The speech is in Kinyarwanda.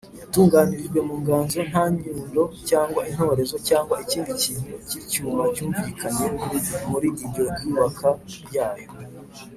yatunganirijwe mu nganzo; nta nyundo cyangwa intorezo cyangwa ikindi kintu cyose cy’icyuma cyumvikanye muri iryo yubaka ryayo,